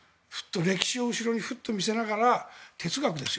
歴史を後ろにふっと見せながら哲学です。